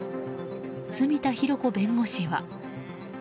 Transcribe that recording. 住田裕子弁護士は。